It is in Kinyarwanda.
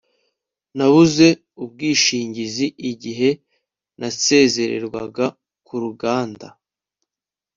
nabuze ubwishingizi igihe nasezererwaga ku ruganda